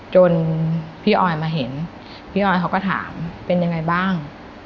จนพี่ออยมาเห็นพี่ออยเขาก็ถามเป็นยังไงบ้าง